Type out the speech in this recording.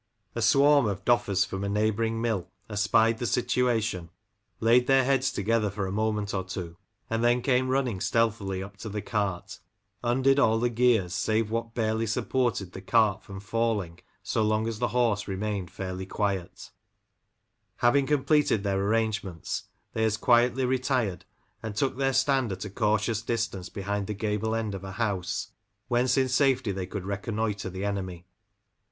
A swarm of Doffers from a neighbouring mill espied the situation, laid their heads together for a moment or two, and then came running stealthily up to the cart, undid all the gears save what barely supported the cart from falling so long as the horse remained fairly quiet Having completed their arrangements they as quietly retired, and took their stand at a cautious distance behind the gable end of a house, whence in safety they could reconnoitre the enemy.